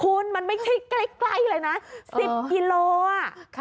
คุณมันไม่ใช่ใกล้เลยนะ๑๐กิโลอ่ะ